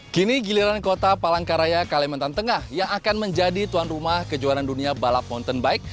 kini giliran kota palangkaraya kalimantan tengah yang akan menjadi tuan rumah kejuaraan dunia balap mountain bike